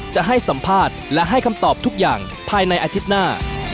จะให้สัมภาษณ์และให้คำตอบทุกอย่างภายในอาทิตย์หน้า